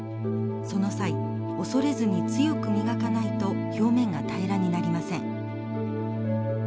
その際恐れずに強く磨かないと表面が平らになりません。